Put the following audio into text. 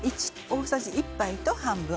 大さじ１杯と半分。